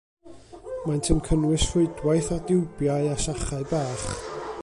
Maent yn cynnwys rhwydwaith o diwbiau a sachau bach.